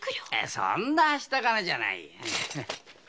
そんなはした金じゃないよ。